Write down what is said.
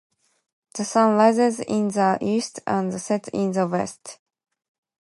The sun rises in the east and sets in the west.